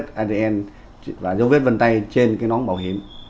thứ ba là thu dấu vết adn và dấu vết vân tay trên cái nón bảo hiểm